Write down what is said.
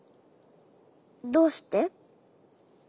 どうして？